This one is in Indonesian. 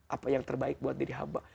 apa yang terbaik buat diri hamba